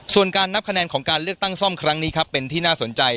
ส่วนการนับคะแนนของการเลือกตั้งซ่อมครั้งนี้ครับเป็นที่น่าสนใจ